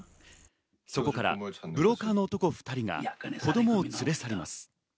そこからブローカーの男２人が子供を連れ去ります。